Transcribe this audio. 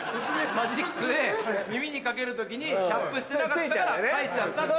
マジックで耳に掛ける時にキャップしてなかったから書いちゃったっていう。